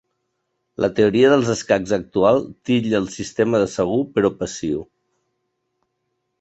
La Teoria dels escacs actual titlla el sistema de segur però passiu.